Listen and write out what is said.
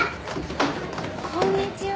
こんにちは。